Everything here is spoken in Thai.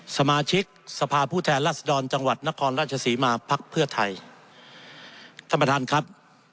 สมาชิกสภาพผู้แทนรัศดรจังหวัดนครราชศรีมาภักดิ์เพื่อไทยท่านประธานครับ